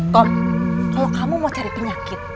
tom kalau kamu mau cari penyakit